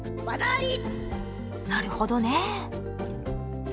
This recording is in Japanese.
なるほどね。